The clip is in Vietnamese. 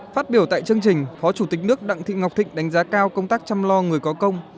phát biểu tại chương trình phó chủ tịch nước đặng thị ngọc thịnh đánh giá cao công tác chăm lo người có công